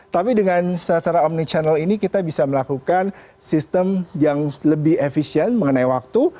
tapi dengan secara omni channel ini kita bisa melakukan sistem yang lebih efisien mengenai waktu